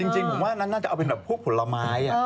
จริงผมว่านั้นน่าจะเอาเป็นแบบพวกผลไม้